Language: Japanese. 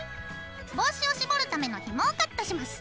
帽子を絞るためのひもをカットします。